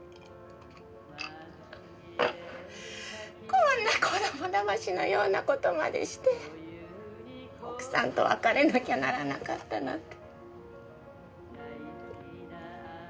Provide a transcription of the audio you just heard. こんな子供だましのような事までして奥さんと別れなきゃならなかったなんて。